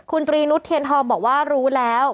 คุณตรีนุษย์เทียนทองบอกว่ารู้แล้ว